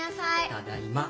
ただいま。